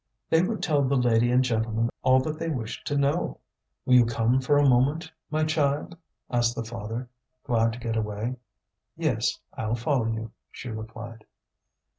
They would tell the lady and gentleman all that they wished to know. "Will you come for a moment, my child?" asked the father, glad to get away. "Yes, I'll follow you," she replied.